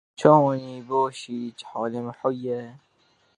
Dije Terora Kurdistanê derbarê teqîna li Hewlêrê daxuyanî da.